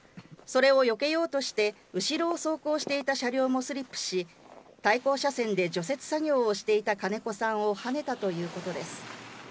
それをよけようとしてうしろを走行していた車両もスリップし、対向車線で除雪作業をしていた金子さんをはねたということです。